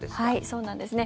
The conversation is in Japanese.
そうなんですね。